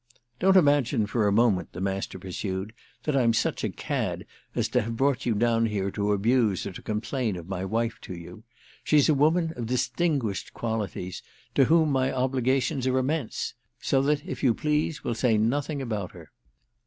Don't imagine for a moment," the Master pursued, "that I'm such a cad as to have brought you down here to abuse or to complain of my wife to you. She's a woman of distinguished qualities, to whom my obligations are immense; so that, if you please, we'll say nothing about her.